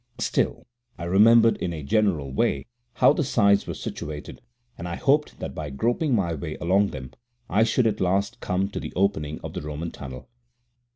Still, I remembered in a general way how the sides were situated, and I hoped that by groping my way along them I should at last come to the opening of the Roman tunnel.